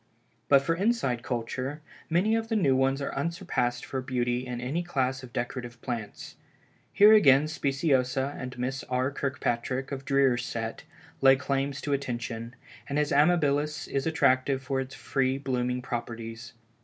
But for inside culture, many of the new ones are unsurpassed for beauty in any class of decorative plants. Here again Speciosa and Miss R. Kirkpatrick of Dreer's set, lay claims to attention, and his Amabilis is attractive for its free blooming properties.